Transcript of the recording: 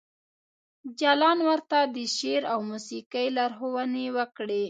جلان ورته د شعر او موسیقۍ لارښوونې وکړې